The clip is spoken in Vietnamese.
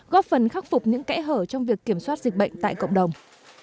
góp phần khắc phục những kẽ hở trong việc kiểm soát dịch bệnh tại cộng đồng